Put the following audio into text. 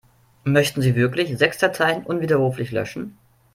Möchten Sie wirklich sechs Dateien unwiderruflich löschen?